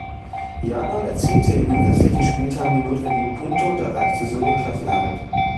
Yanal erzielte in den restlichen Spieltagen die notwendigen Punkte und erreichte so den Klassenerhalt.